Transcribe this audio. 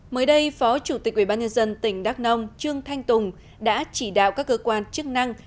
mới đây phó chủ tịch ubnd tỉnh đắk nông trương thanh tùng đã chỉ đạo các cơ quan chức năng